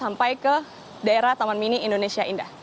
sampai ke daerah taman mini indonesia indah